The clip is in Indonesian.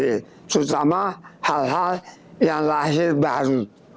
terutama hal hal yang lahir baru